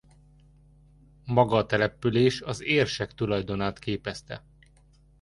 Maga a település az érsek tulajdonát képezte.